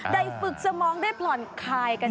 ได้ฝึกสมองได้ผ่อนคลายกัน